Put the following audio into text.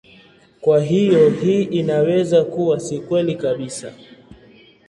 Kwa hiyo hii inaweza kuwa si kweli kabisa.